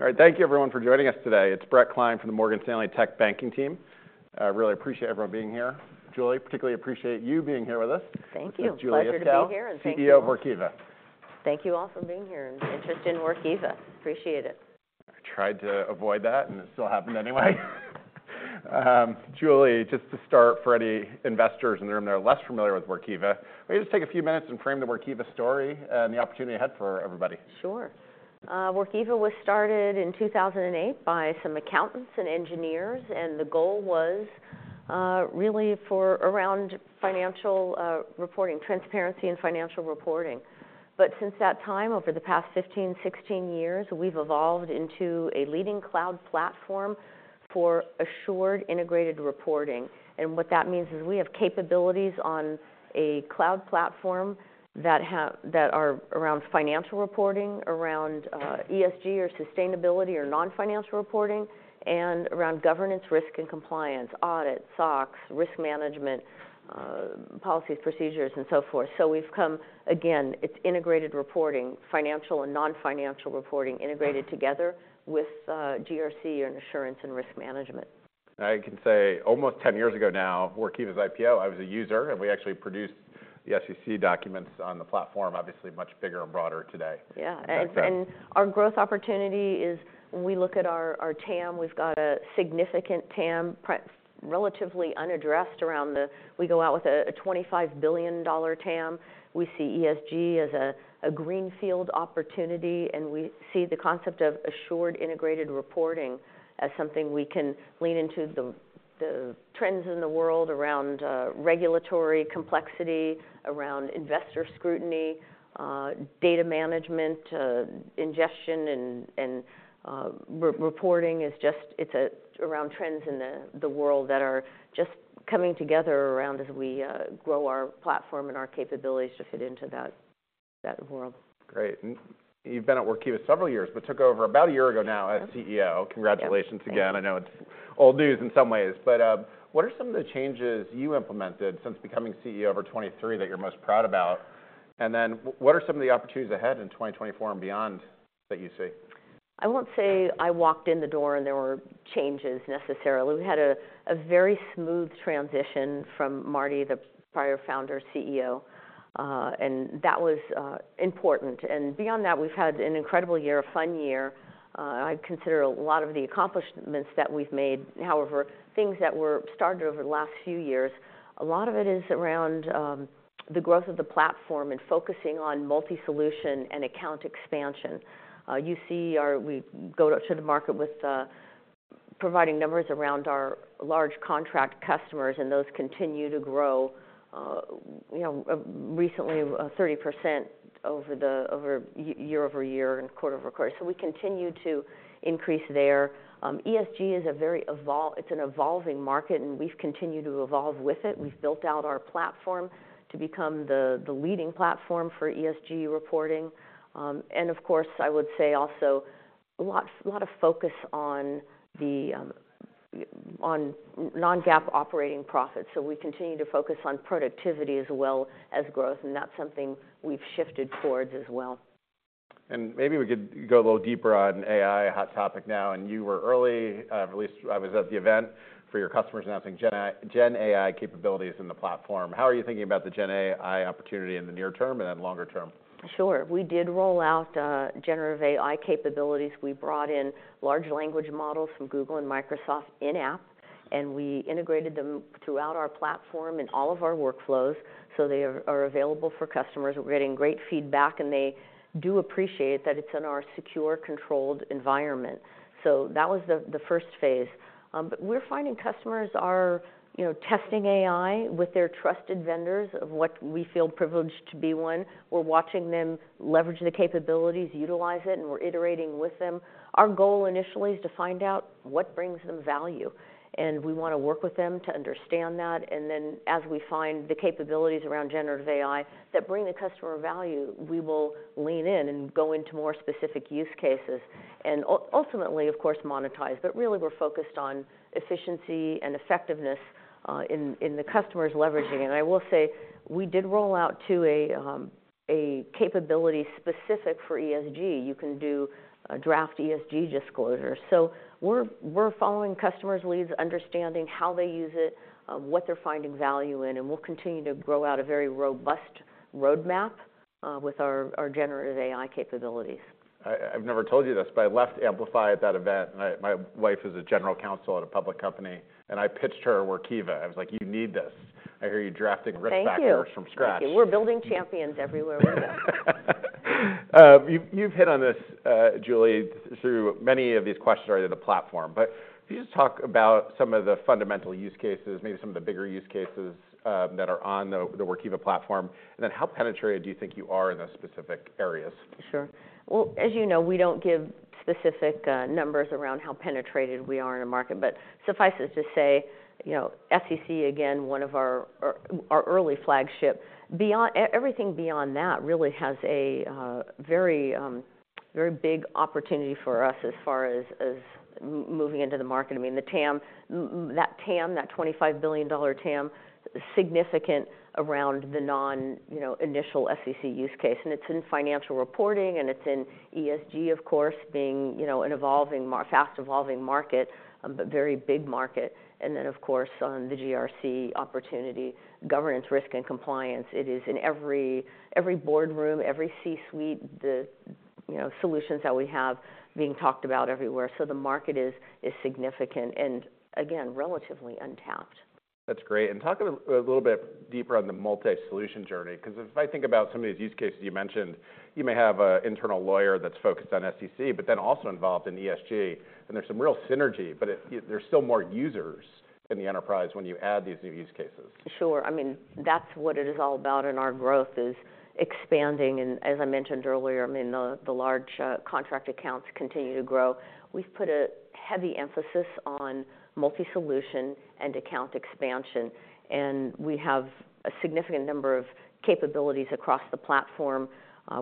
All right, thank you everyone for joining us today. It's Brett Klein from the Morgan Stanley Tech Banking team. I really appreciate everyone being here. Julie, particularly appreciate you being here with us. Thank you. Pleasure to be here. This is Julie Iskow, CEO of Workiva. Thank you all for being here and interest in Workiva. Appreciate it. I tried to avoid that, and it still happened anyway. Julie, just to start, for any investors in the room that are less familiar with Workiva, will you just take a few minutes and frame the Workiva story and the opportunity ahead for everybody? Sure. Workiva was started in 2008 by some accountants and engineers, and the goal was really for around financial reporting, transparency in financial reporting. But since that time, over the past 15, 16 years, we've evolved into a leading cloud platform for assured integrated reporting. And what that means is we have capabilities on a cloud platform that are around financial reporting, around ESG or sustainability or non-financial reporting, and around governance, risk, and compliance, audit, SOX, risk management, policies, procedures, and so forth. So we've come, again, it's integrated reporting, financial and non-financial reporting integrated together with GRC and assurance and risk management. I can say almost 10 years ago now, Workiva's IPO, I was a user, and we actually produced the SEC documents on the platform, obviously much bigger and broader today. Yeah, and our growth opportunity is we look at our TAM. We've got a significant TAM, relatively unaddressed around the we go out with a $25 billion TAM. We see ESG as a greenfield opportunity, and we see the concept of assured integrated reporting as something we can lean into the trends in the world around regulatory complexity, around investor scrutiny, data management, ingestion, and reporting. It's just around trends in the world that are just coming together around as we grow our platform and our capabilities to fit into that world. Great. And you've been at Workiva several years, but took over about a year ago now as CEO. Congratulations again. I know it's old news in some ways. But what are some of the changes you implemented since becoming CEO over 2023 that you're most proud about? And then what are some of the opportunities ahead in 2024 and beyond that you see? I won't say I walked in the door and there were changes necessarily. We had a very smooth transition from Marty, the prior founder, CEO. That was important. Beyond that, we've had an incredible year, a fun year. I consider a lot of the accomplishments that we've made. However, things that were started over the last few years, a lot of it is around the growth of the platform and focusing on multi-solution and account expansion. You see how we go out to the market with providing numbers around our large contract customers, and those continue to grow. Recently, 30% year-over-year and quarter-over-quarter. So we continue to increase there. ESG is a very evolved. It's an evolving market, and we've continued to evolve with it. We've built out our platform to become the leading platform for ESG reporting. Of course, I would say also a lot of focus on non-GAAP operating profits. We continue to focus on productivity as well as growth. That's something we've shifted towards as well. Maybe we could go a little deeper on AI, a hot topic now. You were early, at least I was at the event, for your customers announcing Gen AI capabilities in the platform. How are you thinking about the Gen AI opportunity in the near term and then longer term? Sure. We did roll out generative AI capabilities. We brought in large language models from Google and Microsoft in-app, and we integrated them throughout our platform and all of our workflows so they are available for customers. We're getting great feedback, and they do appreciate that it's in our secure, controlled environment. So that was the first phase. But we're finding customers are testing AI with their trusted vendors of what we feel privileged to be one. We're watching them leverage the capabilities, utilize it, and we're iterating with them. Our goal initially is to find out what brings them value. And we want to work with them to understand that. And then as we find the capabilities around generative AI that bring the customer value, we will lean in and go into more specific use cases and ultimately, of course, monetize. But really, we're focused on efficiency and effectiveness in the customers leveraging. And I will say we did roll out, too, a capability specific for ESG. You can do a draft ESG disclosure. So we're following customers' leads, understanding how they use it, what they're finding value in. And we'll continue to grow out a very robust roadmap with our generative AI capabilities. I've never told you this, but I left Amplify at that event, and my wife is a general counsel at a public company. I pitched her Workiva. I was like, you need this. I hear you drafting risk factors from scratch. Thank you. We're building champions everywhere we go. You've hit on this, Julie, through many of these questions already on the platform. But if you just talk about some of the fundamental use cases, maybe some of the bigger use cases that are on the Workiva platform, and then how penetrated do you think you are in those specific areas? Sure. Well, as you know, we don't give specific numbers around how penetrated we are in the market. But suffice to say SEC, again, one of our early flagship. Everything beyond that really has a very big opportunity for us as far as moving into the market. I mean, the TAM, that $25 billion TAM, significant around the non-initial SEC use case. And it's in financial reporting, and it's in ESG, of course, being an evolving, fast-evolving market, but very big market. And then, of course, on the GRC opportunity, governance, risk, and compliance, it is in every boardroom, every C-suite, the solutions that we have being talked about everywhere. So the market is significant and, again, relatively untapped. That's great. Talk a little bit deeper on the multi-solution journey. Because if I think about some of these use cases you mentioned, you may have an internal lawyer that's focused on SEC but then also involved in ESG. There's some real synergy. There's still more users in the enterprise when you add these new use cases. Sure. I mean, that's what it is all about in our growth, is expanding. And as I mentioned earlier, I mean, the large contract accounts continue to grow. We've put a heavy emphasis on multi-solution and account expansion. And we have a significant number of capabilities across the platform.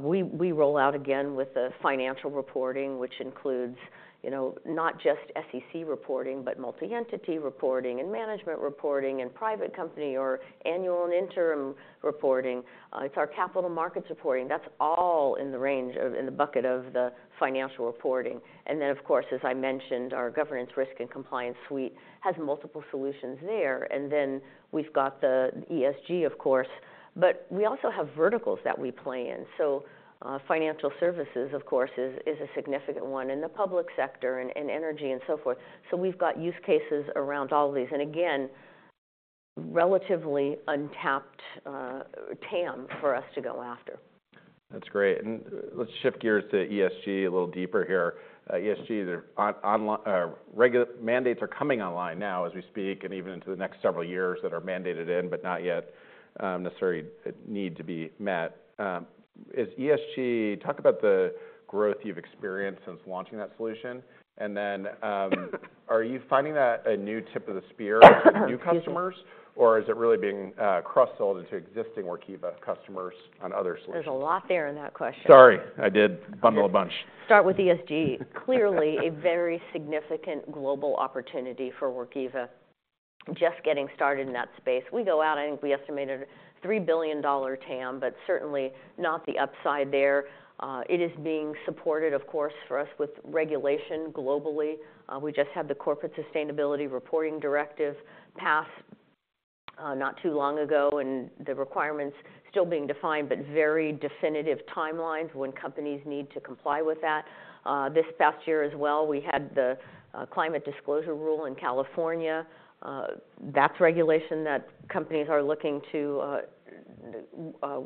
We roll out, again, with the financial reporting, which includes not just SEC reporting, but multi-entity reporting and management reporting and private company or annual and interim reporting. It's our capital markets reporting. That's all in the range of in the bucket of the financial reporting. And then, of course, as I mentioned, our Governance, Risk, and Compliance suite has multiple solutions there. And then we've got the ESG, of course. But we also have verticals that we play in. So financial services, of course, is a significant one, and the public sector, and energy, and so forth. We've got use cases around all of these. Again, relatively untapped TAM for us to go after. That's great. Let's shift gears to ESG a little deeper here. ESG, mandates are coming online now as we speak and even into the next several years that are mandated in but not yet necessarily need to be met. Talk about the growth you've experienced since launching that solution. Then are you finding that a new tip of the spear for new customers? Or is it really being cross-sold into existing Workiva customers on other solutions? There's a lot there in that question. Sorry. I did bundle a bunch. Start with ESG. Clearly, a very significant global opportunity for Workiva. Just getting started in that space. We go out, I think we estimated a $3 billion TAM, but certainly not the upside there. It is being supported, of course, for us with regulation globally. We just had the Corporate Sustainability Reporting Directive passed not too long ago. And the requirements still being defined, but very definitive timelines when companies need to comply with that. This past year as well, we had the climate disclosure rule in California. That's regulation that companies are looking to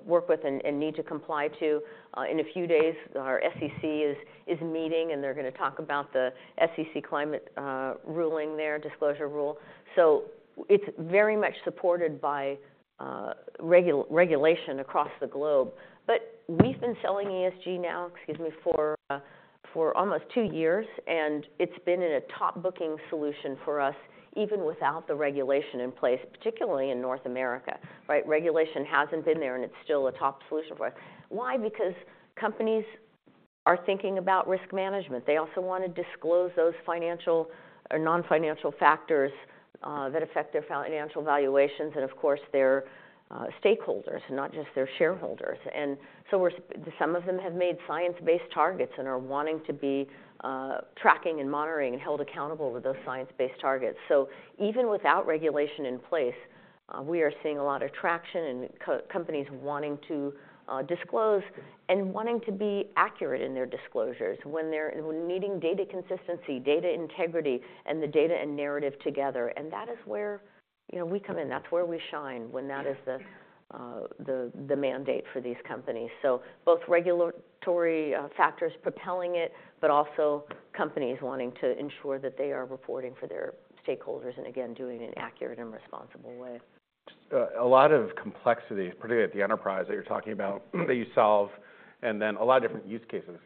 work with and need to comply to. In a few days, our SEC is meeting, and they're going to talk about the SEC climate ruling there, disclosure rule. So it's very much supported by regulation across the globe. But we've been selling ESG now, excuse me, for almost two years. And it's been a top-booking solution for us even without the regulation in place, particularly in North America. Regulation hasn't been there, and it's still a top solution for us. Why? Because companies are thinking about risk management. They also want to disclose those financial or non-financial factors that affect their financial valuations and, of course, their stakeholders, not just their shareholders. And so some of them have made Science-Based Targets and are wanting to be tracking and monitoring and held accountable to those Science-Based Targets. So even without regulation in place, we are seeing a lot of traction and companies wanting to disclose and wanting to be accurate in their disclosures when they're needing data consistency, data integrity, and the data and narrative together. And that is where we come in. That's where we shine when that is the mandate for these companies. Both regulatory factors propelling it, but also companies wanting to ensure that they are reporting for their stakeholders and, again, doing it in an accurate and responsible way. A lot of complexity, particularly at the enterprise that you're talking about that you solve, and then a lot of different use cases.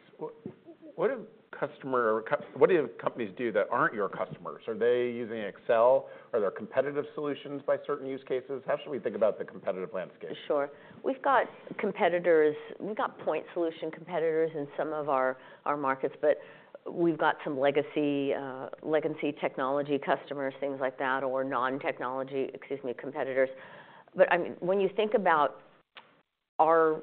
What do companies do that aren't your customers? Are they using Excel? Are there competitive solutions by certain use cases? How should we think about the competitive landscape? Sure. We've got competitors. We've got point solution competitors in some of our markets. But we've got some legacy technology customers, things like that, or non-technology, excuse me, competitors. But when you think about our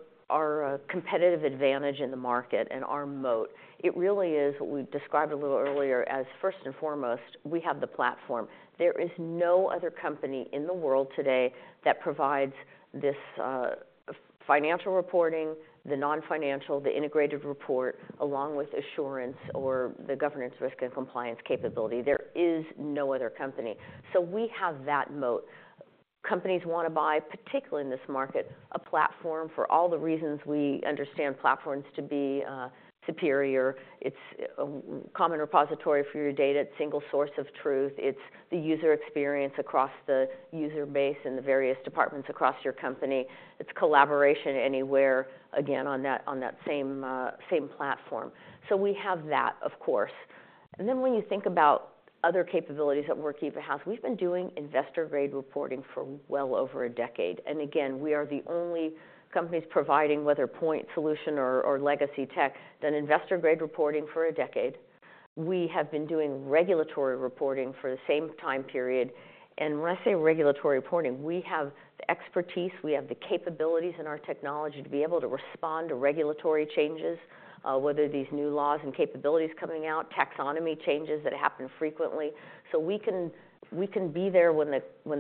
competitive advantage in the market and our moat, it really is what we described a little earlier as first and foremost, we have the platform. There is no other company in the world today that provides this financial reporting, the non-financial, the integrated report, along with assurance or the governance, risk, and compliance capability. There is no other company. So we have that moat. Companies want to buy, particularly in this market, a platform for all the reasons we understand platforms to be superior. It's a common repository for your data. It's a single source of truth. It's the user experience across the user base in the various departments across your company. It's collaboration anywhere, again, on that same platform. So we have that, of course. And then when you think about other capabilities that Workiva has, we've been doing investor-grade reporting for well over a decade. And again, we are the only companies providing, whether point solution or legacy tech, done investor-grade reporting for a decade. We have been doing regulatory reporting for the same time period. And when I say regulatory reporting, we have the expertise. We have the capabilities in our technology to be able to respond to regulatory changes, whether these new laws and capabilities coming out, taxonomy changes that happen frequently. So we can be there when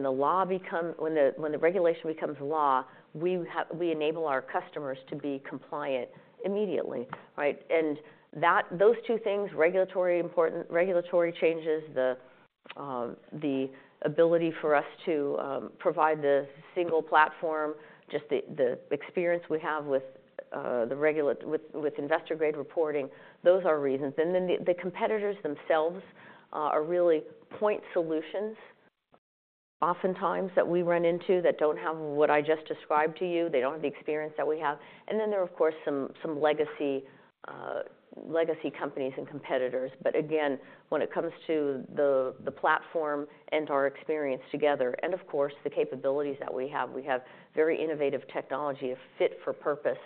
the law becomes when the regulation becomes law, we enable our customers to be compliant immediately. Those two things, regulatory important, regulatory changes, the ability for us to provide the single platform, just the experience we have with investor-grade reporting, those are reasons. The competitors themselves are really point solutions, oftentimes, that we run into that don't have what I just described to you. They don't have the experience that we have. There are, of course, some legacy companies and competitors. But again, when it comes to the platform and our experience together and, of course, the capabilities that we have, we have very innovative technology, a fit for purpose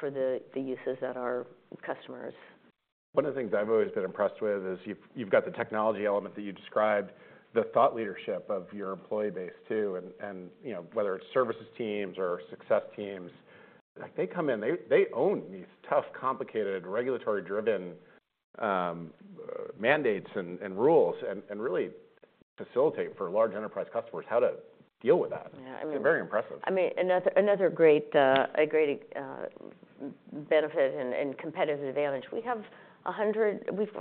for the uses that our customers. One of the things I've always been impressed with is you've got the technology element that you described, the thought leadership of your employee base, too, and whether it's services teams or success teams. They come in. They own these tough, complicated, regulatory-driven mandates and rules and really facilitate for large enterprise customers how to deal with that. They're very impressive. I mean, another great benefit and competitive advantage, we have a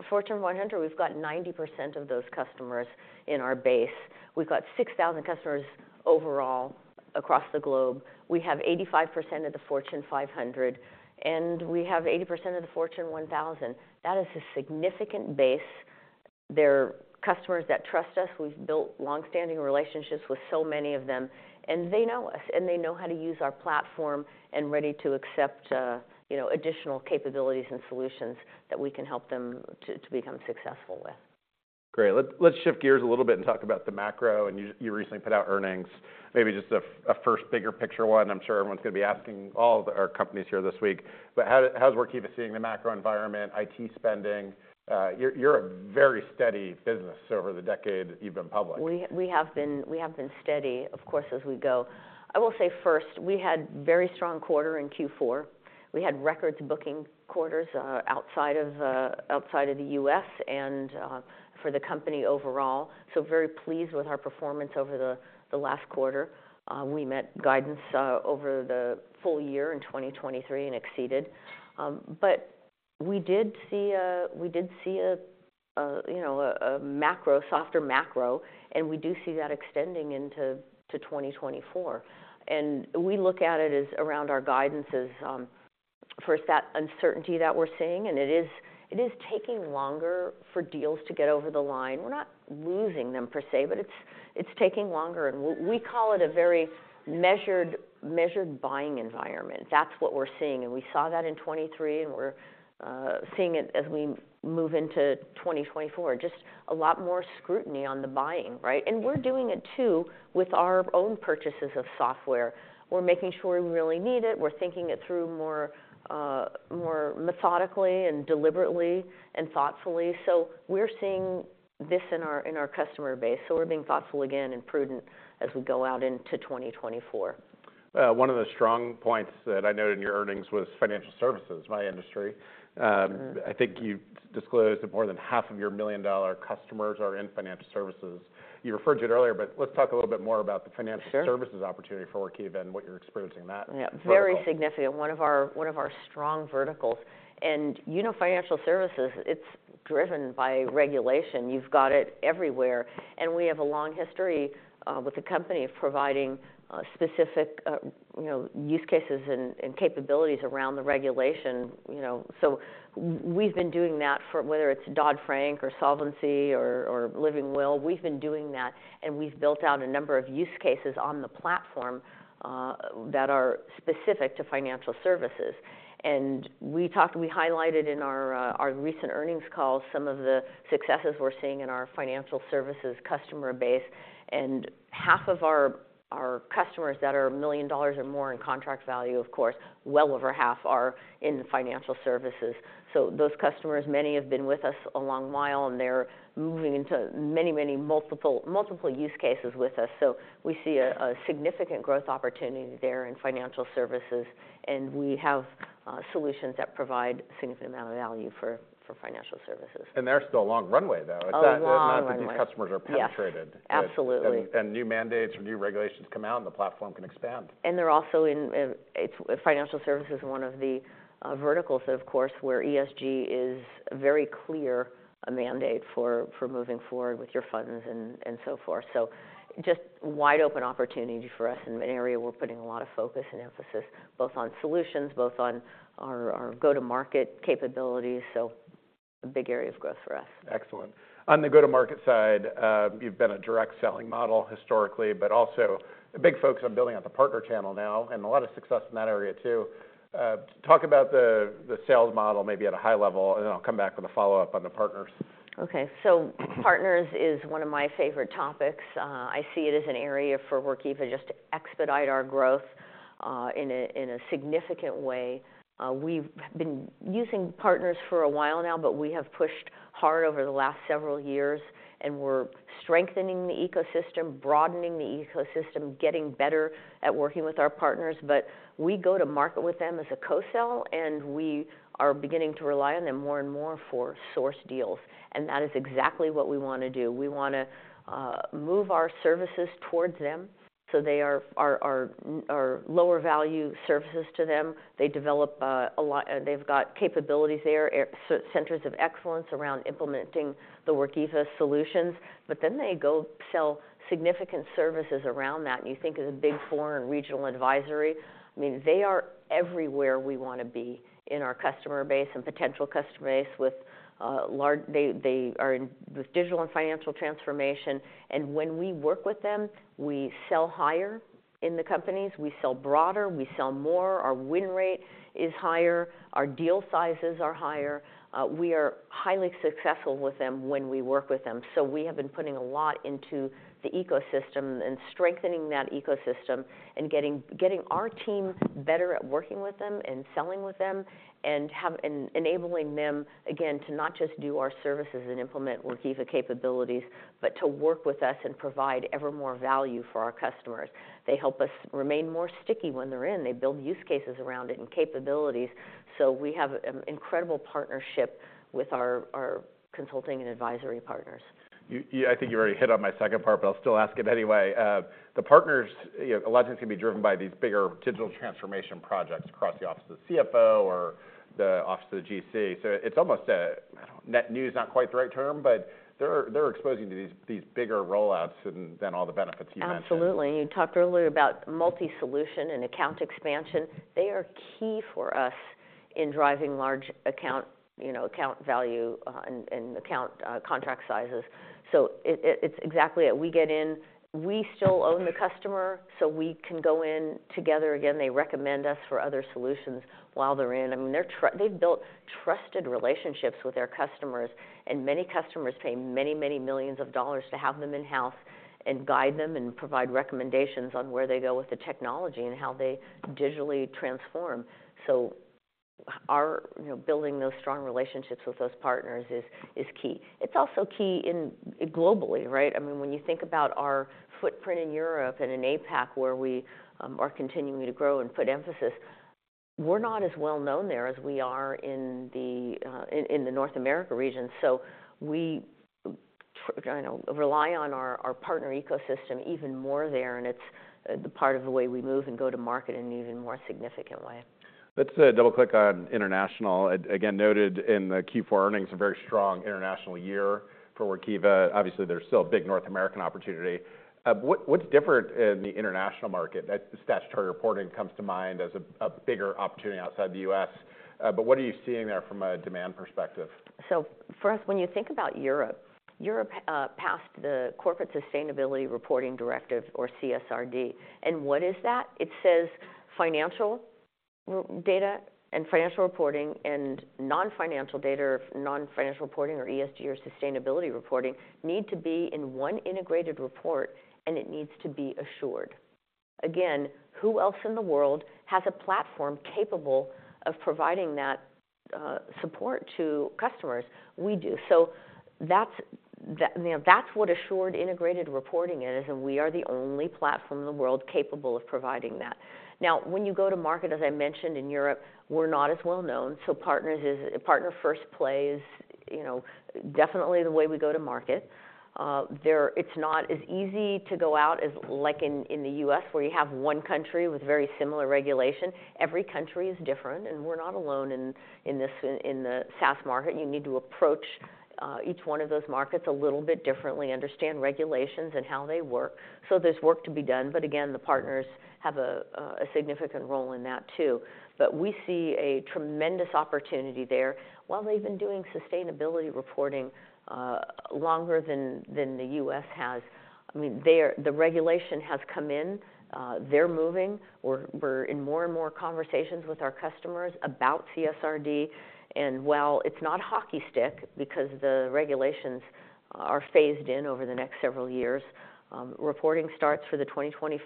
Fortune 100, we've got 90% of those customers in our base. We've got 6,000 customers overall across the globe. We have 85% of the Fortune 500, and we have 80% of the Fortune 1,000. That is a significant base. They're customers that trust us. We've built longstanding relationships with so many of them. And they know us, and they know how to use our platform and ready to accept additional capabilities and solutions that we can help them to become successful with. Great. Let's shift gears a little bit and talk about the macro. You recently put out earnings, maybe just a first bigger picture one. I'm sure everyone's going to be asking all of our companies here this week. But how's Workiva seeing the macro environment, IT spending? You're a very steady business over the decade you've been public. We have been steady, of course, as we go. I will say first, we had very strong quarter in Q4. We had records booking quarters outside of the U.S. and for the company overall. So very pleased with our performance over the last quarter. We met guidance over the full year in 2023 and exceeded. But we did see a macro, softer macro, and we do see that extending into 2024. And we look at it as around our guidances, first, that uncertainty that we're seeing. And it is taking longer for deals to get over the line. We're not losing them, per se, but it's taking longer. And we call it a very measured buying environment. That's what we're seeing. And we saw that in 2023, and we're seeing it as we move into 2024, just a lot more scrutiny on the buying. And we're doing it, too, with our own purchases of software. We're making sure we really need it. We're thinking it through more methodically and deliberately and thoughtfully. So we're seeing this in our customer base. So we're being thoughtful again and prudent as we go out into 2024. One of the strong points that I noted in your earnings was financial services, my industry. I think you disclosed that more than half of your million-dollar customers are in financial services. You referred to it earlier, but let's talk a little bit more about the financial services opportunity for Workiva and what you're experiencing in that. Yeah, very significant. One of our strong verticals. And you know financial services, it's driven by regulation. You've got it everywhere. And we have a long history with the company of providing specific use cases and capabilities around the regulation. So we've been doing that, whether it's Dodd-Frank or Solvency or Living Will, we've been doing that. And we've built out a number of use cases on the platform that are specific to financial services. And we highlighted in our recent earnings calls some of the successes we're seeing in our financial services customer base. And half of our customers that are $1 million or more in contract value, of course, well over half are in financial services. So those customers, many have been with us a long while, and they're moving into many, many multiple use cases with us. We see a significant growth opportunity there in financial services. We have solutions that provide a significant amount of value for financial services. They're still a long runway, though, not that these customers are penetrated. Absolutely. New mandates or new regulations come out, and the platform can expand. They're also in financial services, one of the verticals that, of course, where ESG is a very clear mandate for moving forward with your funds and so forth. So just wide open opportunity for us in an area we're putting a lot of focus and emphasis both on solutions, both on our go-to-market capabilities. So a big area of growth for us. Excellent. On the go-to-market side, you've been a direct selling model historically, but also a big focus on building out the partner channel now and a lot of success in that area, too. Talk about the sales model, maybe at a high level. And then I'll come back with a follow-up on the partners. OK. So partners is one of my favorite topics. I see it as an area for Workiva just to expedite our growth in a significant way. We've been using partners for a while now, but we have pushed hard over the last several years. And we're strengthening the ecosystem, broadening the ecosystem, getting better at working with our partners. But we go to market with them as a co-sell, and we are beginning to rely on them more and more for source deals. And that is exactly what we want to do. We want to move our services towards them. So they are lower value services to them. They've got capabilities there, centers of excellence around implementing the Workiva solutions. But then they go sell significant services around that. And you think of the Big Four and regional advisory. I mean, they are everywhere we want to be in our customer base and potential customer base with digital and financial transformation. And when we work with them, we sell higher in the companies. We sell broader. We sell more. Our win rate is higher. Our deal sizes are higher. We are highly successful with them when we work with them. So we have been putting a lot into the ecosystem and strengthening that ecosystem and getting our team better at working with them and selling with them and enabling them, again, to not just do our services and implement Workiva capabilities, but to work with us and provide ever more value for our customers. They help us remain more sticky when they're in. They build use cases around it and capabilities. So we have an incredible partnership with our consulting and advisory partners. I think you already hit on my second part, but I'll still ask it anyway. The partners, a lot of times, can be driven by these bigger digital transformation projects across the Office of the CFO or the Office of the GC. So it's almost net news, not quite the right term, but they're exposing to these bigger rollouts than all the benefits you mentioned. Absolutely. And you talked earlier about multi-solution and account expansion. They are key for us in driving large account value and account contract sizes. So it's exactly it. We get in. We still own the customer, so we can go in together. Again, they recommend us for other solutions while they're in. I mean, they've built trusted relationships with their customers. And many customers pay many, many $ millions to have them in-house and guide them and provide recommendations on where they go with the technology and how they digitally transform. So building those strong relationships with those partners is key. It's also key globally. I mean, when you think about our footprint in Europe and in APAC, where we are continuing to grow and put emphasis, we're not as well known there as we are in the North America region. We rely on our partner ecosystem even more there. It’s part of the way we move and go to market in an even more significant way. Let's double-click on international. Again, noted in the Q4 earnings, a very strong international year for Workiva. Obviously, there's still a big North American opportunity. What's different in the international market? Statutory reporting comes to mind as a bigger opportunity outside the U.S. But what are you seeing there from a demand perspective? So for us, when you think about Europe, Europe passed the Corporate Sustainability Reporting Directive, or CSRD. And what is that? It says financial data and financial reporting and non-financial data, non-financial reporting, or ESG or sustainability reporting need to be in one integrated report, and it needs to be assured. Again, who else in the world has a platform capable of providing that support to customers? We do. So that's what assured integrated reporting is. And we are the only platform in the world capable of providing that. Now, when you go to market, as I mentioned, in Europe, we're not as well known. So partner first play is definitely the way we go to market. It's not as easy to go out as like in the U.S., where you have one country with very similar regulation. Every country is different. And we're not alone in the SaaS market. You need to approach each one of those markets a little bit differently, understand regulations and how they work. So there's work to be done. But again, the partners have a significant role in that, too. But we see a tremendous opportunity there. While they've been doing sustainability reporting longer than the U.S. has, I mean, the regulation has come in. They're moving. We're in more and more conversations with our customers about CSRD. And while it's not hockey stick because the regulations are phased in over the next several years, reporting starts for the 2024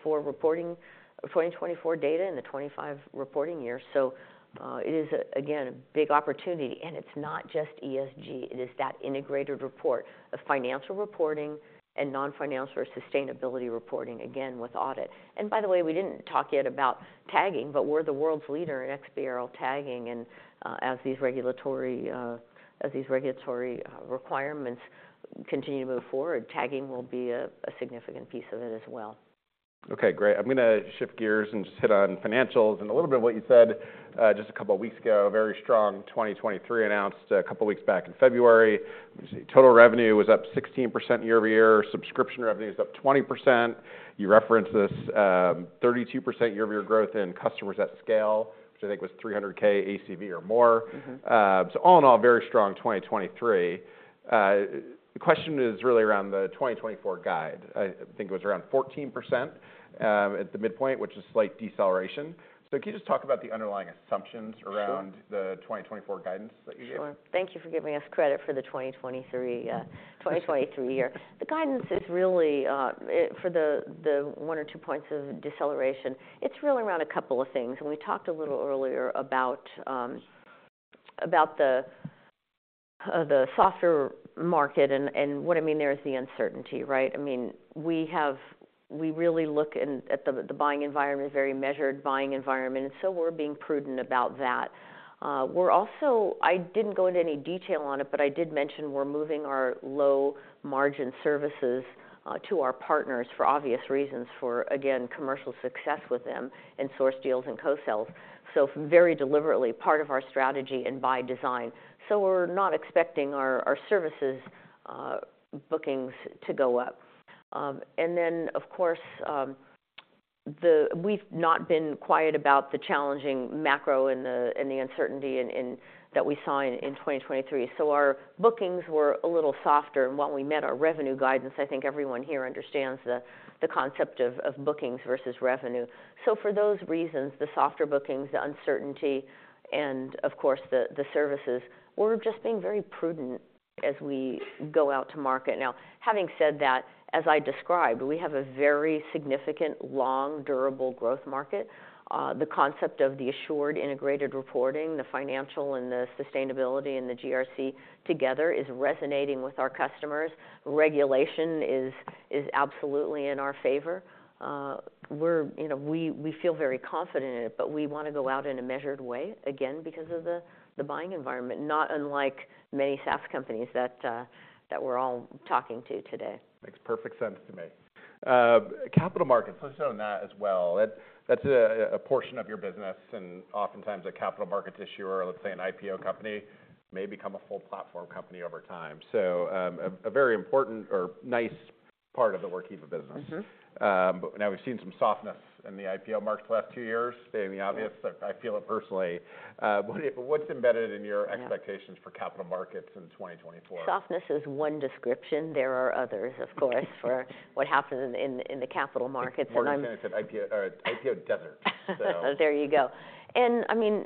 data in the 2025 reporting years. So it is, again, a big opportunity. And it's not just ESG. It is that integrated report of financial reporting and non-financial or sustainability reporting, again, with audit. And by the way, we didn't talk yet about tagging, but we're the world's leader in XBRL tagging. As these regulatory requirements continue to move forward, tagging will be a significant piece of it as well. OK, great. I'm going to shift gears and just hit on financials and a little bit of what you said just a couple of weeks ago, a very strong 2023, announced a couple of weeks back in February. Total revenue was up 16% year-over-year. Subscription revenue is up 20%. You referenced this 32% year-over-year growth in customers at scale, which I think was 300K ACV or more. So all in all, very strong 2023. The question is really around the 2024 guide. I think it was around 14% at the midpoint, which is slight deceleration. So can you just talk about the underlying assumptions around the 2024 guidance that you gave? Sure. Thank you for giving us credit for the 2023 year. The guidance is really for the one or two points of deceleration. It's really around a couple of things. We talked a little earlier about the software market. What I mean there is the uncertainty. I mean, we really look at the buying environment, very measured buying environment. We're being prudent about that. I didn't go into any detail on it, but I did mention we're moving our low-margin services to our partners for obvious reasons, for, again, commercial success with them and source deals and co-sells. Very deliberately, part of our strategy and by design. We're not expecting our services bookings to go up. Then, of course, we've not been quiet about the challenging macro and the uncertainty that we saw in 2023. Our bookings were a little softer. While we met our revenue guidance, I think everyone here understands the concept of bookings versus revenue. For those reasons, the softer bookings, the uncertainty, and of course, the services, we're just being very prudent as we go out to market. Now, having said that, as I described, we have a very significant, long, durable growth market. The concept of the assured integrated reporting, the financial and the sustainability and the GRC together is resonating with our customers. Regulation is absolutely in our favor. We feel very confident in it, but we want to go out in a measured way, again, because of the buying environment, not unlike many SaaS companies that we're all talking to today. Makes perfect sense to me. Capital markets, let's note that as well. That's a portion of your business. And oftentimes, a capital markets issuer, let's say an IPO company, may become a full-platform company over time. So a very important or nice part of the Workiva business. Now, we've seen some softness in the IPO markets the last two years. Stating the obvious, I feel it personally. What's embedded in your expectations for capital markets in 2024? Softness is one description. There are others, of course, for what happened in the capital markets. I'm always saying it's an IPO desert. There you go. And I mean,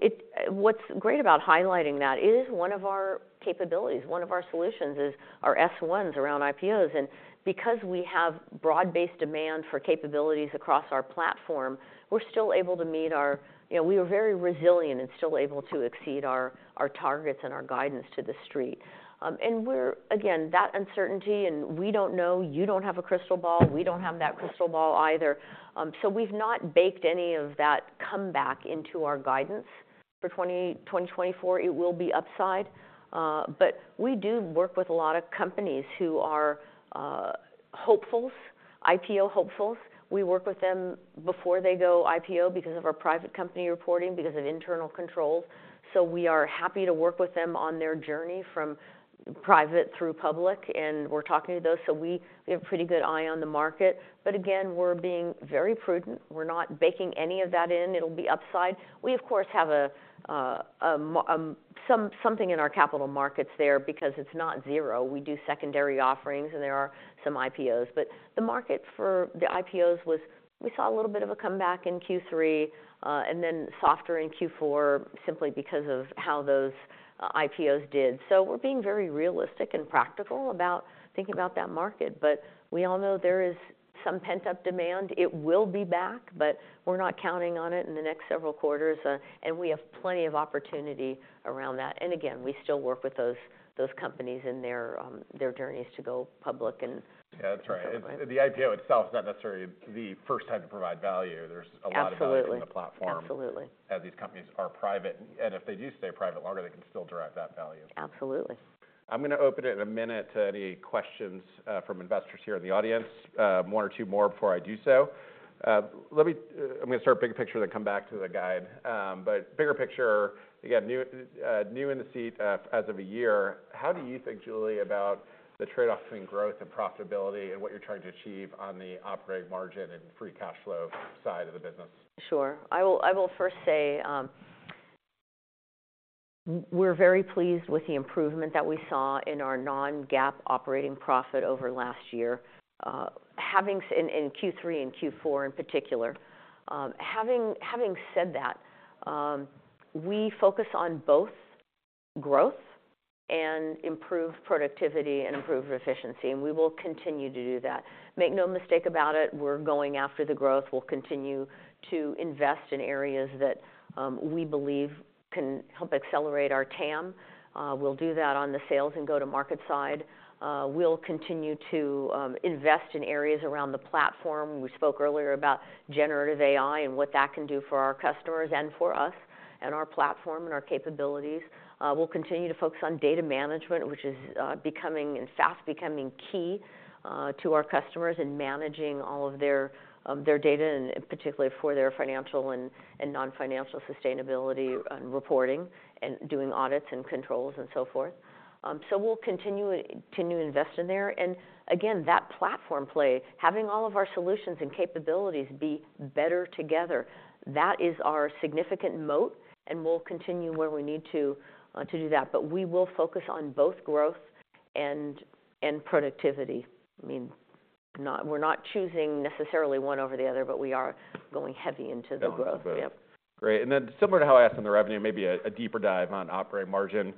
what's great about highlighting that is one of our capabilities, one of our solutions is our S-1s around IPOs. And because we have broad-based demand for capabilities across our platform, we're still able to meet our we are very resilient and still able to exceed our targets and our guidance to the street. And again, that uncertainty and we don't know, you don't have a crystal ball. We don't have that crystal ball either. So we've not baked any of that comeback into our guidance for 2024. It will be upside. But we do work with a lot of companies who are hopefuls, IPO hopefuls. We work with them before they go IPO because of our private company reporting, because of internal controls. So we are happy to work with them on their journey from private through public. And we're talking to those. So we have a pretty good eye on the market. But again, we're being very prudent. We're not baking any of that in. It'll be upside. We, of course, have something in our capital markets there because it's not zero. We do secondary offerings, and there are some IPOs. But the market for the IPOs was we saw a little bit of a comeback in Q3 and then softer in Q4 simply because of how those IPOs did. So we're being very realistic and practical about thinking about that market. But we all know there is some pent-up demand. It will be back, but we're not counting on it in the next several quarters. And we have plenty of opportunity around that. And again, we still work with those companies in their journeys to go public and. Yeah, that's right. The IPO itself is not necessarily the first time to provide value. There's a lot of value in the platform. Absolutely. As these companies are private. If they do stay private longer, they can still derive that value. Absolutely. I'm going to open it in a minute to any questions from investors here in the audience, one or two more before I do so. I'm going to start big picture, then come back to the guide. But bigger picture, again, new in the seat as of a year. How do you think, Julie, about the trade-off between growth and profitability and what you're trying to achieve on the operating margin and free cash flow side of the business? Sure. I will first say we're very pleased with the improvement that we saw in our Non-GAAP Operating Profit over last year, in Q3 and Q4 in particular. Having said that, we focus on both growth and improved productivity and improved efficiency. We will continue to do that. Make no mistake about it. We're going after the growth. We'll continue to invest in areas that we believe can help accelerate our TAM. We'll do that on the sales and go-to-market side. We'll continue to invest in areas around the platform. We spoke earlier about Generative AI and what that can do for our customers and for us and our platform and our capabilities. We'll continue to focus on data management, which is fast becoming key to our customers in managing all of their data, and particularly for their financial and non-financial sustainability and reporting and doing audits and controls and so forth. So we'll continue to invest in there. And again, that platform play, having all of our solutions and capabilities be better together, that is our significant moat. And we'll continue where we need to do that. But we will focus on both growth and productivity. I mean, we're not choosing necessarily one over the other, but we are going heavy into the growth. That's great. And then similar to how I asked in the revenue, maybe a deeper dive on operating margin,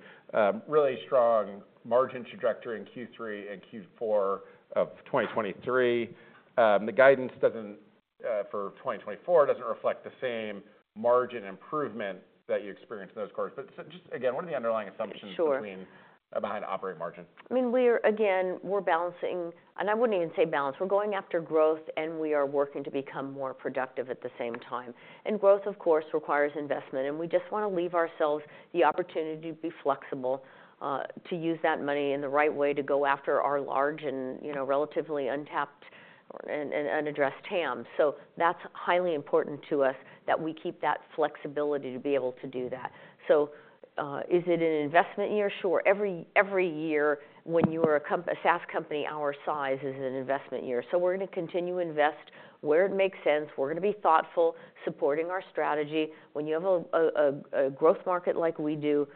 really strong margin trajectory in Q3 and Q4 of 2023. The guidance for 2024 doesn't reflect the same margin improvement that you experienced in those quarters. But just again, what are the underlying assumptions behind operating margin? I mean, again, we're balancing and I wouldn't even say balance. We're going after growth, and we are working to become more productive at the same time. Growth, of course, requires investment. We just want to leave ourselves the opportunity to be flexible, to use that money in the right way, to go after our large and relatively untapped and unaddressed TAM. So that's highly important to us, that we keep that flexibility to be able to do that. So is it an investment year? Sure. Every year when you're a SaaS company our size is an investment year. So we're going to continue to invest where it makes sense. We're going to be thoughtful, supporting our strategy. When you have a growth market like we do,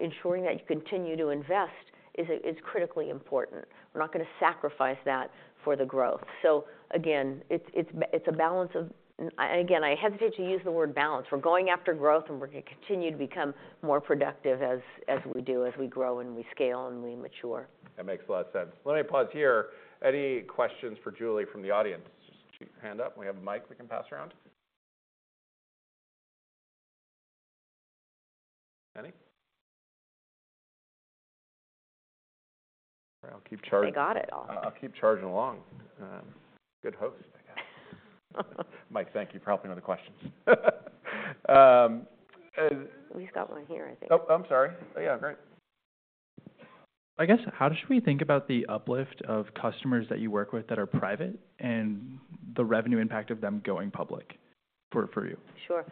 ensuring that you continue to invest is critically important. We're not going to sacrifice that for the growth. So again, it's a balance of and again, I hesitate to use the word balance. We're going after growth, and we're going to continue to become more productive as we do, as we grow and we scale and we mature. That makes a lot of sense. Let me pause here. Any questions for Julie from the audience? Just shoot your hand up. We have a mic we can pass around. Any? All right, I'll keep charging. I got it all. I'll keep charging along. Good host, I guess. Mike, thank you for helping me with the questions. We've got one here, I think. Oh, I'm sorry. Yeah, great. I guess how should we think about the uplift of customers that you work with that are private and the revenue impact of them going public for you? Sure.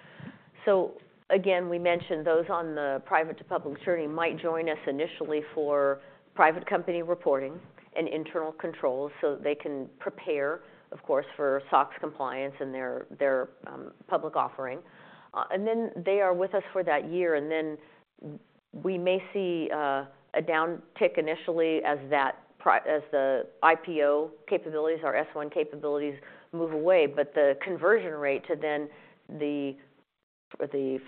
So again, we mentioned those on the private to public journey might join us initially for private company reporting and internal controls so they can prepare, of course, for SOX compliance and their public offering. And then they are with us for that year. And then we may see a downtick initially as the IPO capabilities, our S-1 capabilities, move away. But the conversion rate to then the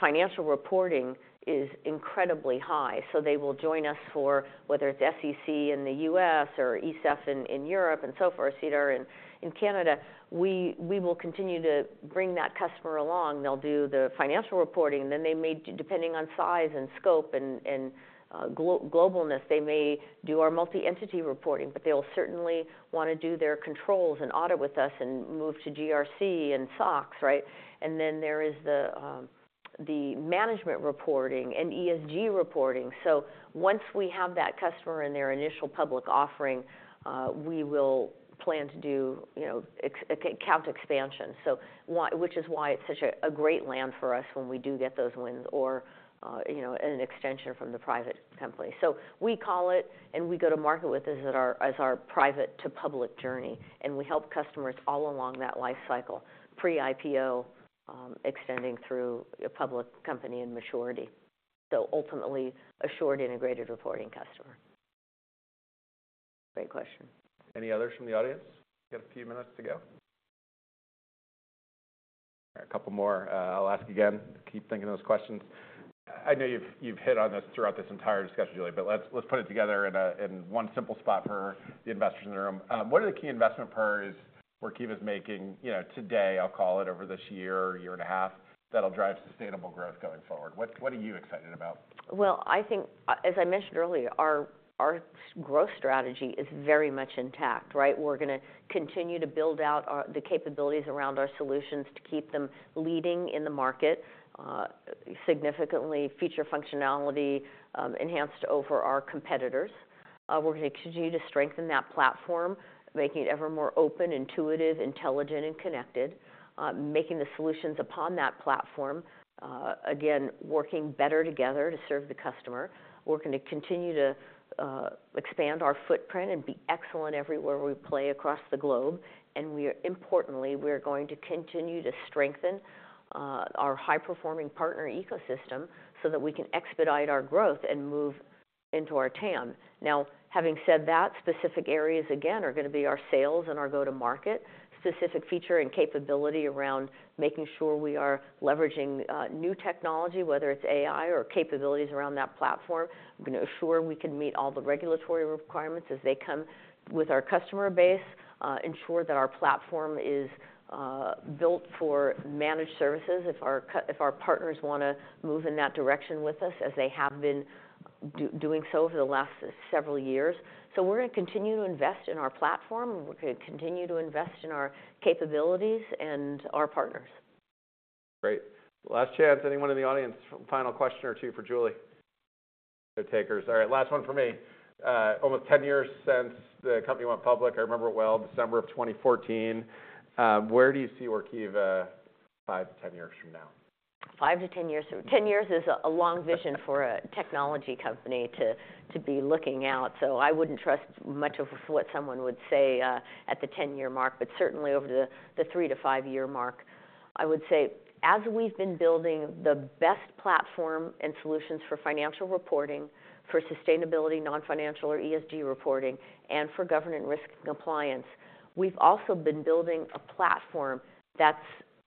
financial reporting is incredibly high. So they will join us for whether it's SEC in the U.S. or ESEF in Europe and so forth, CETAR in Canada. We will continue to bring that customer along. They'll do the financial reporting. And then they may, depending on size and scope and globalness, they may do our multi-entity reporting. But they will certainly want to do their controls and audit with us and move to GRC and SOX. And then there is the management reporting and ESG reporting. So once we have that customer in their initial public offering, we will plan to do account expansion, which is why it's such a great land for us when we do get those wins or an extension from the private company. So we call it, and we go to market with this as our private to public journey. And we help customers all along that lifecycle, pre-IPO, extending through a public company and maturity, so ultimately assured integrated reporting customer. Great question. Any others from the audience? We've got a few minutes to go. All right, a couple more. I'll ask again. Keep thinking those questions. I know you've hit on this throughout this entire discussion, Julie. But let's put it together in one simple spot for the investors in the room. What are the key investment priorities Workiva is making today, I'll call it, over this year or year and a half that'll drive sustainable growth going forward? What are you excited about? Well, I think, as I mentioned earlier, our growth strategy is very much intact. We're going to continue to build out the capabilities around our solutions to keep them leading in the market, significantly feature functionality enhanced over our competitors. We're going to continue to strengthen that platform, making it ever more open, intuitive, intelligent, and connected, making the solutions upon that platform, again, working better together to serve the customer. We're going to continue to expand our footprint and be excellent everywhere we play across the globe. And importantly, we are going to continue to strengthen our high-performing partner ecosystem so that we can expedite our growth and move into our TAM. Now, having said that, specific areas, again, are going to be our sales and our go-to-market, specific feature and capability around making sure we are leveraging new technology, whether it's AI or capabilities around that platform. We're going to assure we can meet all the regulatory requirements as they come with our customer base, ensure that our platform is built for managed services if our partners want to move in that direction with us, as they have been doing so over the last several years. So we're going to continue to invest in our platform. We're going to continue to invest in our capabilities and our partners. Great. Last chance. Anyone in the audience, final question or two for Julie? No takers. All right, last one for me. Almost 10 years since the company went public. I remember it well, December of 2014. Where do you see Workiva 5-10 years from now? 5-10 years. 10 years is a long vision for a technology company to be looking out. I wouldn't trust much of what someone would say at the 10-year mark. But certainly over the 3-5-year mark, I would say, as we've been building the best platform and solutions for financial reporting, for sustainability, non-financial or ESG reporting, and for governance risk compliance, we've also been building a platform that's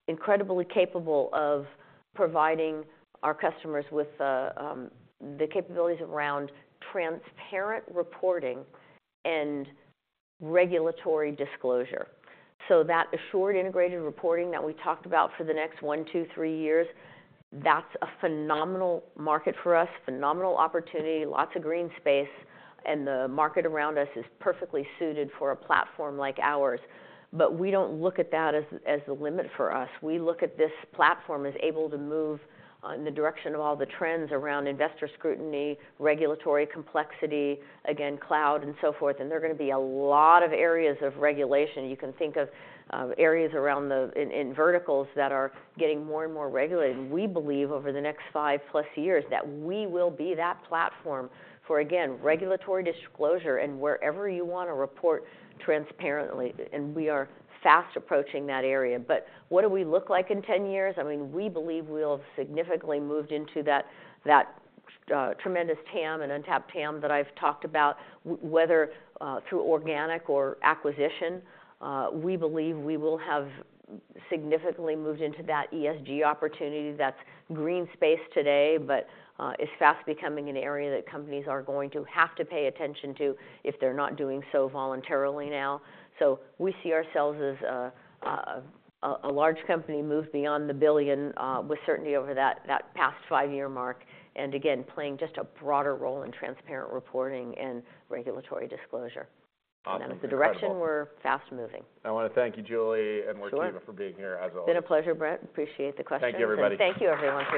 incredibly capable of providing our customers with the capabilities around transparent reporting and regulatory disclosure. That assured integrated reporting that we talked about for the next 1, 2, 3 years, that's a phenomenal market for us, phenomenal opportunity, lots of green space. And the market around us is perfectly suited for a platform like ours. But we don't look at that as the limit for us. We look at this platform as able to move in the direction of all the trends around investor scrutiny, regulatory complexity, again, cloud, and so forth. There are going to be a lot of areas of regulation. You can think of areas around the verticals that are getting more and more regulated. We believe over the next 5+ years that we will be that platform for, again, regulatory disclosure and wherever you want to report transparently. We are fast approaching that area. What do we look like in 10 years? I mean, we believe we'll have significantly moved into that tremendous TAM and untapped TAM that I've talked about, whether through organic or acquisition. We believe we will have significantly moved into that ESG opportunity that's green space today but is fast becoming an area that companies are going to have to pay attention to if they're not doing so voluntarily now. We see ourselves as a large company moved beyond the $1 billion with certainty over that past 5-year mark and, again, playing just a broader role in transparent reporting and regulatory disclosure. That is the direction we're fast moving. I want to thank you, Julie and Workiva, for being here as always. It's been a pleasure, Brett. Appreciate the questions. Thank you, everybody. Thank you, everybody.